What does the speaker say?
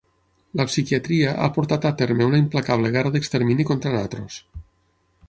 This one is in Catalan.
La psiquiatria ha portat a terme una implacable guerra d'extermini contra nosaltres.